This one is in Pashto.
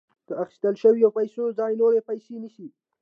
د اخیستل شویو پیسو ځای نورې پیسې نیسي